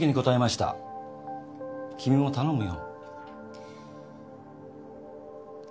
君も頼むよ。